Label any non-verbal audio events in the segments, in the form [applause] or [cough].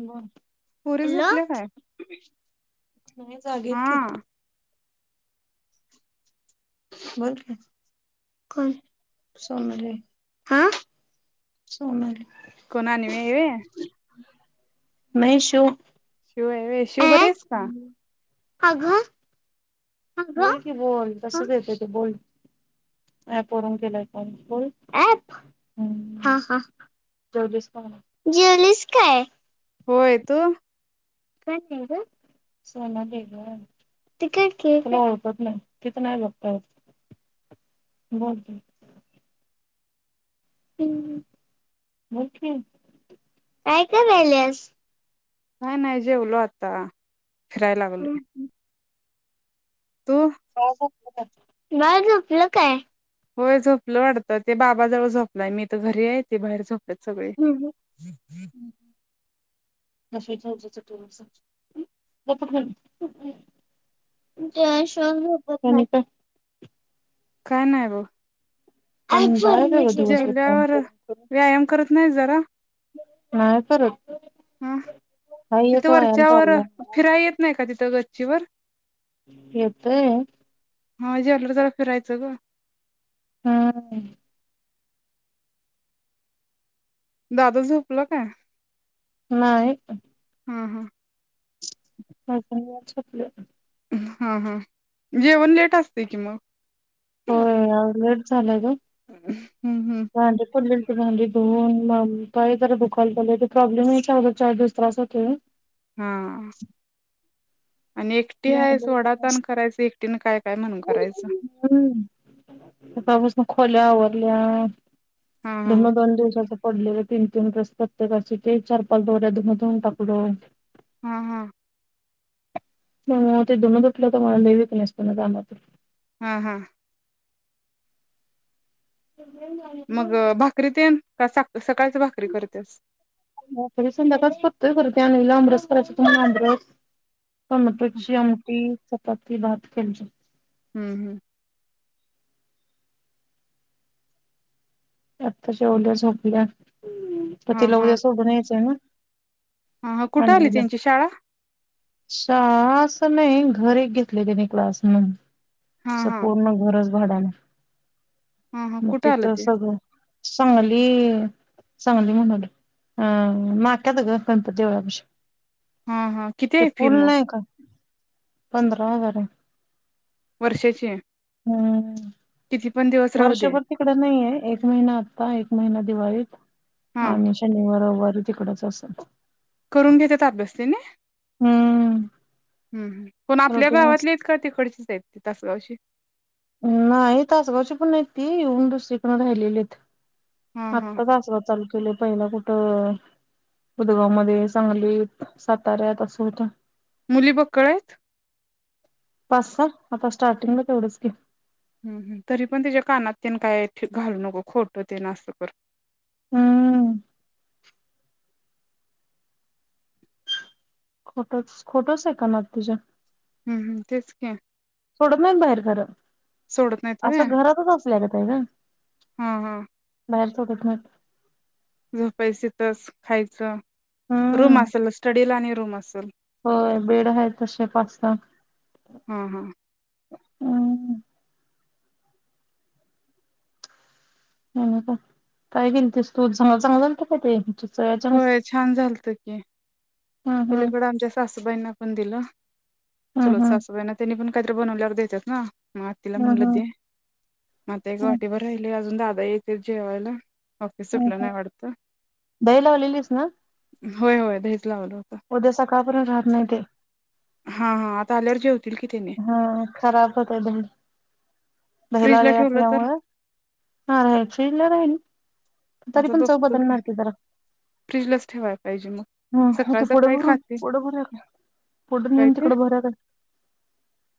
बोल पोरी हॅलो झोपल्या काय? नाही जागे आहेत की. हा बोल की कोण सोनाली हाय सोनाली कोण अन्वी हाय होय? मेशो शिव आहे होय शिव बरी हाइस का? अगं बोल की बोल तसंच येतंय ते बोल. ऍप वरून केलाय फोन बोल ऍप हम्म हां हां जेवलीस काय म्हणावं. जेवलीस काय? हो येतो. काय ते ग? सोनाली आहे गं? ती कुठली? तुला ओळखत नाही. तिथ नाही ओळखत. बोल की काय करायल्यास? का नाही जेवलो आता. फिराय लागलोय. तू? [unintelligible] बाळ झोपल काय? होय झोपलं वाटतं ते बाबा जवळ झोपलाय मी तर घरी आहे ते बाहेर झोप हम्म हम्म जय [unintelligible] काय नाय बघ. आणि मला काय होतय दिवसभर काम जेवल्यावर करून करून व्यायाम करत नाही जरा नाय सरत हां तिथं व्हायाला वरच्यावर चाललंय फिराय येत नाही का तिथ? तो गच्चीवर येतय हा जेवल्यावर जरा फिरायचं ग हम् [unintelligible] दादा झोपला काय? नाही हा हा [unintelligible] हा हा जेवन लेट असतय कि मग होय आज लेट झालंय ग हं भांडी पडलेली भांडी धुऊन मग पाय जरा दुखायलाते प्रॉब्लेमय आग चार दिवस त्रास होतोय न हां आणि एकटी आहेस हम्म ओढाताण करायच एकटीने काय काय म्हणून करायचं सकाळपासून खोल्या आवरल्या. हा हा दोन ब्लाऊज दोन दिवसात पडलेले तीन तीन ड्रेस प्रत्येकाची ते चार पाच दोऱ्या धुणं धुवून टाकलो. हा हा ह ते धून धुतल्यावर तर मला लय विकनेसपणा जाणवतोय हा हा मग भाकरी तेण [unintelligible] भाकरी संध्याकाळच करतोय ते अआंबरास करायच [unintelligible] आंबरस टोमॅटोची आमटी चपाती भात केली हम्म हम्म आता जेवल्या झोपल्या. ह् तर हा तिला हा ऊद्या सोडून यायचय ना? हा हा कुठे आली आणवीला. त्यांची शाळा? शाळा अस नाही घर एक घेतले त्यांनी क्लास म्हणून. हा अस हा पूर्ण घरच भाड्यानी हा हा म कुठं आलं तिथंच ते सगळं सांगली सांगली म्हणाली अं नाक्यात ग गणपती देवळापशी हा हा किती आहे फी मग? पंधरा हजारय वर्षाचे हम्म! राहू दे वर्षभर तिकड नाहीये एक महिना आत्ता एक महिना दिवाळीत हा आणि शनीवार रववा तिकडच असन करून घेतेत अभ्यासतेने? हम्म! हम् हम्! पण आपल्या रोटीन असत गावातलेत हेत का ते तिकडचीच आहेतेत ते तासगावशी? नाही तासगावची पण नाही ती येऊन दुसरीकडं राहिलेलीत हा हा आत्ता तासगावात चाललो तुला पहिला कुठं उुदगाव मध्ये, सांगलीत, साताऱ्यात असं होतं! मुली बकळयत? पाच सा आता स्टार्टिंगला तेवढंच की, हम हम! तरी पण तीच्या कानात तेन काय घालू नको खोट तेन अस कर. हम्म! खोटोच खोटोस हाय कानात तिच्या ह्म तेच की. सोडत नाही बाहेर खर सोडत नाहीत व्हय असं घरातच असल्या गताय गं हा हा बाहेर चोटतमत झोपैसे तस खायचं रूम हम्म अस असल स्टडीला आ रूम असल होय बेड आहे तसे पा सा हा हा हो का काय दिलतीस तु चांगल चांगला झालत काय ते? सोयाच्या मस् होय छान झालत की! हम्म हम्म पलीकडं आमच्या सासूबाईंना पण हॅलो! हम्म चल हम्म सासूबाईना त्यांनी पण काईतर बनवल्यावर देत्यात ना. म आतीला हम्म म्हणलं हम्म दे म आता एक हम्म वाटीवरर राहिलय जून दादा यायचेत जेवायला ऑफिस सुटलं ह! नाही वाटतं दही लावलिलीस ना? होय होय दहीच लावल. उद्या सकाळ पर्यंत राहत नाही ते तल्यावर जेव हा खराब होतय [unintelligible] [unintelligible] फ्रीजला ठेवलं तर असल्यामुळे हा राहील [unintelligible] राहील तरी आता पण चव बघतो बदलणार की जरा. फ्रीजलाच ठेवायला पाहिजे मग हम् सकाळ ते पुढं सकाळी भरून खातील पुढं भरुया का? पुढं काय न्हेऊन ते तिकड भर का?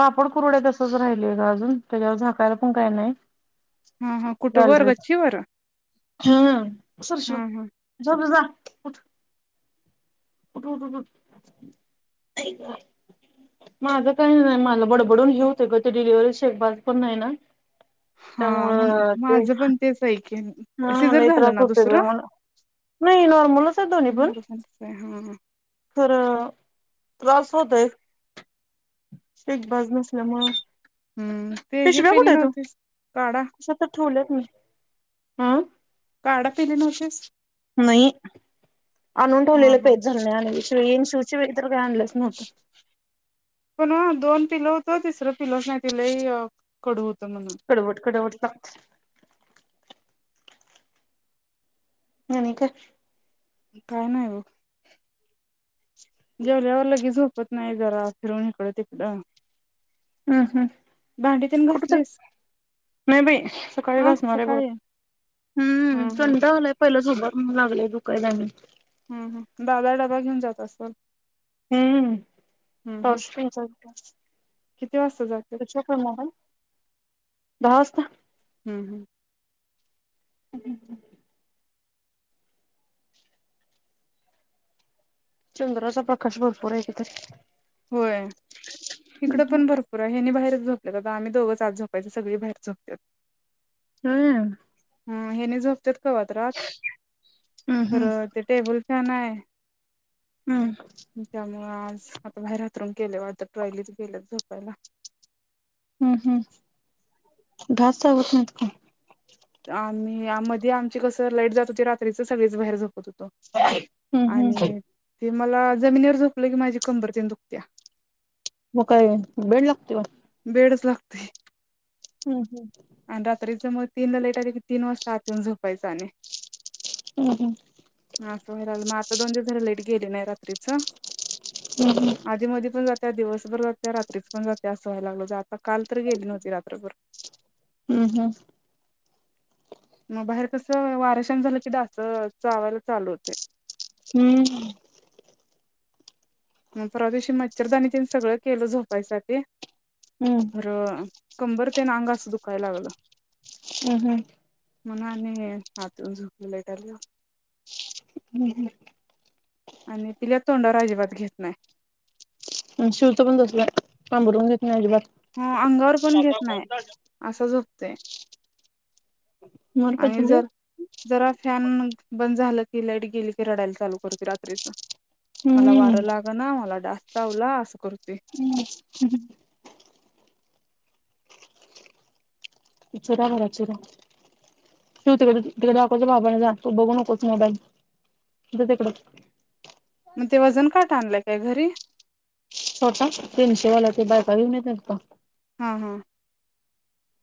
पापड कुरूड्या तसंच राहिलय ग अजून त्याच्यावर झाकायला पण काय नाय हा हा कुठं वर गॅलरीत गच्चीवर हूं फरशी वर हा हा झोप जा जा उठ उठ उठ उठ माझ काही नाही मला बडबडून हे होतय ग ते डिलिव्हरी शेक भाज पण नाही ना हा म माझं पण तेच हाय की, सिजर नालय त्रास झालं ना होतोय बाई दुसरं मला नाही नॉर्मलच आहे दोन्हीं पण आहे हा खरं त्रास होतय? शेक भाज नसल्यामुळ हूं ते हे पिली नव्हतीस काढा हा काडा पिली नव्हतीस? नई आणून हा ठेवलेलं हा प्यायच झालं नाही आणि शिवाय [unintelligible] अग आणलंच नव्हतं. पिल होत तिसरं पिल नाही ते लई कडू होत कडवट कडवट लागतय आणि काय? काय नाही ओ जेवल्यावर लगेच झोपत नाही जरा फिरून इकडं तिकडं हूं हूं भांडी तेन कुठ चाली घासलीस नाही बाई सकाळी हा घासणार आहे बर सकाळी हूं हम्म हम्म कंटाळा आलाय पहिलाच [unintelligible] लागलेय दुखायला बी हूं हूं दादा डबा घेऊन जात असाल हूं हूं कॉसूम सारखा किती वाजता जातत्यात दहा वाजता हूं हूं [inaudible] चंद्राचा प्रकाश भरपूर आहे तिथे होय इकड पण भरपूर आहे हेनी बाहेर झोपल्या का काय, आम्ही दोघंच आत झोपायच सगळी बाहेर झोपत्यात. हां हा हेनी झोपत्यात कवा तर राहत हम्म हम्म खरं ते टेबल त्यो नाय हम्म त्यामुळे आज आता बाहेर हातरून केलंय वाटत. ट्रॉलीच गेल्यात झोपायला. हम्म हम्म डास चावत नाहीत का? आमी आम मधी आमची कस लाईट जात होती रात्रीच सगळेच बाहेर झोपत होतो. हम्म हम्म आणि ते मला जमिनीवर झोपलं की माझी कंबर तेन दुकतीया. म काय बेड लागतय वाटत. बेडच लागतोय हम्म हम्म त्याच्यामुळं तीन लाईट आले की तीन वाजता आत जाऊन झोपायच आणि हम्म हम्म मग असं व्हाय लागलं म अता दोन दिवस झालं लाईट गेली. गेले नाही रात्रीच आधी मधी पण जा त्या दिवसभर जातीया. रात्रीच पण जातीयास. पायाला लागल जा आता काल तर गेली नव्हती रात्रभर हम्म हम्म मग बाहेर कसं वार शान झालं की डास चावायला चालू होतय. हम्म मग परवा दिवशी मच्छरदानी तेन सगळं केलं झोपायसाठी. हम्म खर कंबर ते अग असं दुखायला लागलं. हम्म हम् म्हणून आणि आत येऊन झोपलो लाईट आली हम्म आणि पिल्या तोंडावर अजिबात घेत नाय. आमचा शिव पण तसल हाय पांघरून घेत नाही अजिबात. ह अंगावर पण घेत नाय असाच झोप तय मला काय आणि झालंय जर जरा फॅन मंग बंद झालं ती लाईट गेली की रडायला चालू करते रात्रीच. मला हम्म वारं लाग ना मला डास चावला असं करू हम्म हम् चुरा भराय चुरा. तू अकोच्या बाबाने जा तू बघू नकोस मोबाईल जा तिकडच. मग ते वजन काटा आणलाय. त्या घरी छोटा तीनशेवाला ते बायका घेऊन येत नाहीत काय? ह ह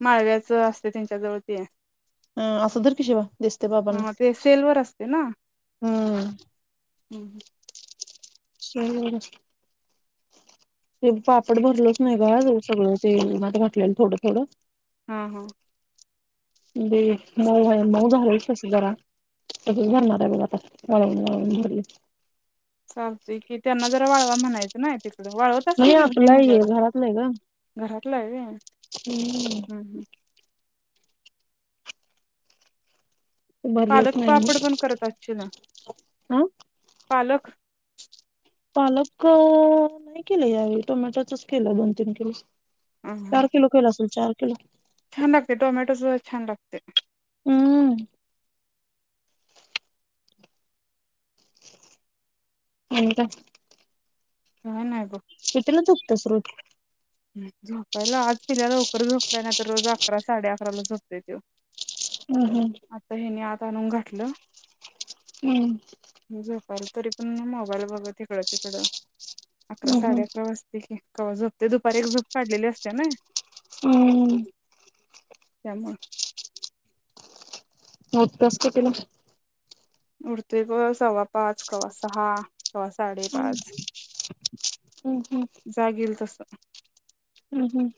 माळव्याच असतय त्यांच्या जवळ ते हाय. हय असं धर की शिवा दिसतय बाबांना ते सेलवर असते हय हम हम्म ते पापड भरलोच नाही ग आज सगळं ते उन्हात घातलेलं थोडं थोडं. हा हा दे मऊ हाय मऊ झालच तस जरा तसच भरणार आहे बघ आता वाळवून वळवून भरली चालतय की त्यांना जरा वाळवा म्हणायच नाय ते वाळवत असतील नाही की घरी आपलं आहे नेल्यावर घरातलं आहे ग घरातल आहे व्हय ते हम् पालक भरलेच नाही पापड मग पण करत असशील ना हा पालक पालक नाही केल यावेळी टोमॅटोचच केल दोन तीन किलो हा हा. चार किलो केलं असल. चार किलो छान लागतय टोमॅटो साॅस छान लागतय हम्म [inaudible] आणि काय काय नाय किती ला झोपण्यास रोज झोपायला आज तिला लवकर झोपल्या ना तर रोज अकरा साडेअकराला झोपतोय तो हम्म आता हे हेनी ताणून घातल. [inaudible] हम्म पण तरी पण मी मोबाईल बघत इकड तिकड अकरा साडे हम्म अकरा वाजते की कवा झोपतय दुप दुपारी एक झोप काढलेली असते ना हम्म [inaudible] त्यामुळे टूथपेस्ट कितीला? उठतोय बघा सव्वा पाच कवा सहा पाच-साडेपाच हम्म जाग येईल तस हम्म हम्म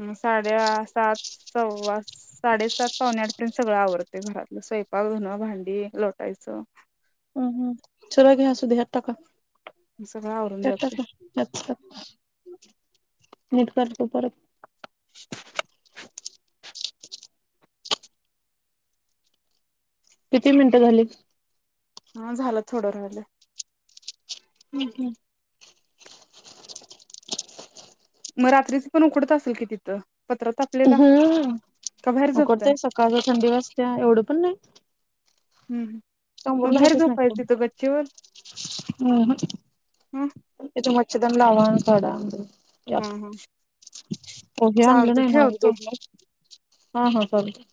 हम साडे सात सव्वा साडेसात पावणे आठ पर्यंत सगळ आवरते घरातल स्वयंपाक धुणं भांडी लोटायच हं हं सगळ घ्या असुदे ह्यात टाका सगळं [inaudible] आवरून त्यात जाते टाका नीट कर तो परत किती मिनिटं झालीत. हा झाल थोड राहिलय हम्म हम्म म रात्रीच पण उकडत असल की तिथ. हम्म झोपताय उकडतय सकाळच थंडी वाजतीया एवढ पण नाई हम्म मग समोरून बाहेर घेतच नाही झोपायच कोण तिथं गच्चीवर हं मच्छर ह तिथं मच्छरदाणी लावा [inaudible] ह ह ओ हे आणलं चालत नाही ना ठेवतो [unintelligible] हा हा चालतंय